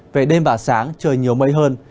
về đêm và sáng trời nhiều mây hơn